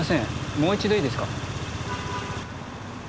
もう一度いいですか？